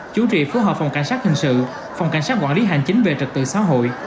chú trị phù hợp phòng cảnh sát hình sự phòng cảnh sát quản lý hành chính về trật tự xã hội